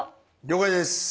了解です。